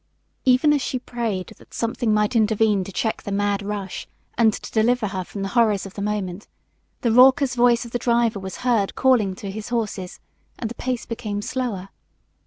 Even as she prayed that something might intervene to check the mad rush and to deliver her from the horrors of the moment, the raucous voice of the driver was heard calling to his horses and the pace became slower.